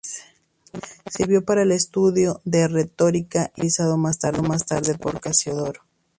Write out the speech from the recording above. Sirvió para el estudio de retórica y fue utilizada más tarde por Casiodoro.